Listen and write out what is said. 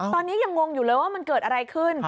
ตอนนี้ยังงงอยู่เลยว่ามันเกิดอะไรขึ้น